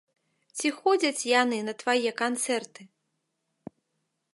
Ці ходзяць яны на твае канцэрты?